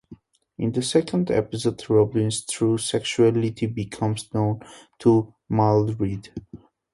In the second episode, Robin's true sexuality becomes known to Mildred.